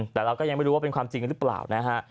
แต่เราก็ยังไม่รู้ว่าเป็นความจริงหรือเปล่านะฮะ